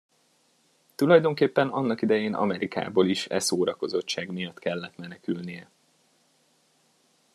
Tulajdonképpen annak idején Amerikából is e szórakozottság miatt kellett menekülnie.